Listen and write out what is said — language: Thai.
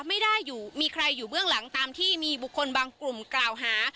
ไม่ได้อยู่มีใครอยู่เบื้องหลังตามที่มีบุคคลบางกลุ่มกล่าวหา